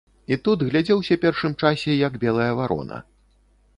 І тут глядзеўся першым часе як белая варона.